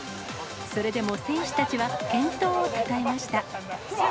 それでも選手たちは、健闘をたたえました。